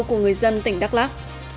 của người dân tỉnh đắk lắk